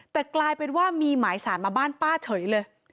แต่กลายเป็นว่ามีหมายสารมาบ้านป้าเฉยเลย